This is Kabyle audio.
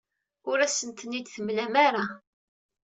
Ur asent-ten-id-temlam ara.